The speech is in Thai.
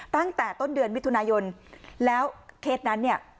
ตั้งแต่ต้นเดือนมิถุนายนแล้วเคสนั้นเนี่ย